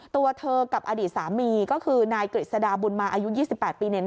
ตัวเธอกับอดีตสามีก็คือนายกฤษฎาบุญมาอายุ๒๘ปีเนี่ย